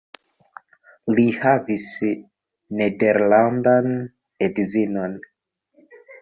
Li havis nederlandan edzinon.